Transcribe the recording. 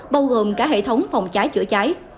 bao gồm cả hệ thống phòng trái chữa trái